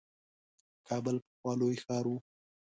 کابل پخوا لوی ښار وو.